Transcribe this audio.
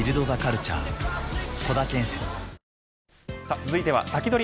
続いてはサキドリ！